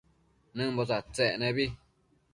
Nëmbo tsadtsec nebi